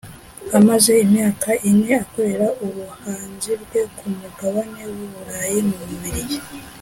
amaze imyaka ine akorera ubuhanzi bwe ku mugabane w’u Burayi mu Bubiligi